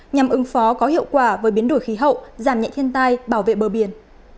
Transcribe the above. nhằm ứng phó có hiệu quả với biến đổi khí hậu giảm nhẹ thiên tai bảo vệ bờ biển